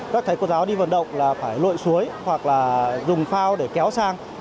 các thầy cô giáo đi vận động là phải lội suối hoặc là dùng phao để kéo sang